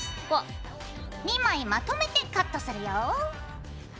２枚まとめてカットするよ。